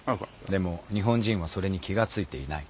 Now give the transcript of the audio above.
でも日本人はそれに気が付いていない」。